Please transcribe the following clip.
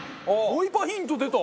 ボイパヒント出た！